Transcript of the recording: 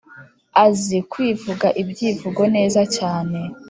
azi kwivuga ibyivugo neza cyane